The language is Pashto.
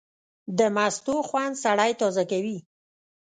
د مستو خوند سړی تازه کوي.